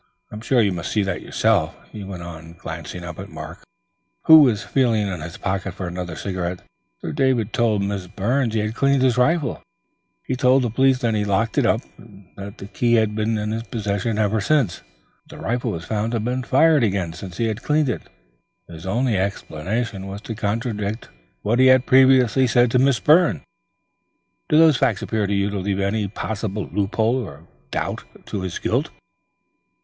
I'm sure you must see that yourself," he went on, glancing up at Mark, who was feeling in his pocket for another cigarette. "Sir David told Miss Byrne he had cleaned his rifle; he told the police he then locked it up and that the key had been in his possession ever since. But the rifle was found to have been fired again since he had cleaned it. His only explanation was to contradict what he had previously said to Miss Byrne. Do those facts appear to you to leave any possible loophole of doubt as to his guilt?"